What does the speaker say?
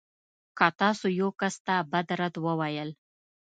که تاسو يو کس ته بد رد وویل.